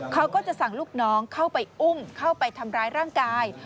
เขาก็จะสั่งลูกน้องเข้าไปอุ้มเข้าไปทำร้ายร่างกาย